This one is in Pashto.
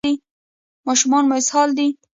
ماشوم مو اسهال دی؟